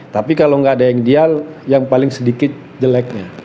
tapi kalau nggak ada yang ideal yang paling sedikit jeleknya